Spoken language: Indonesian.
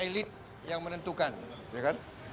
elit yang menentukan ya kan